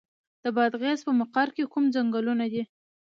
د بادغیس په مقر کې کوم ځنګلونه دي؟